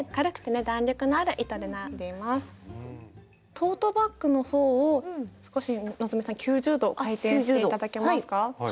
トートバッグのほうを少し希さん９０度回転して頂けますか。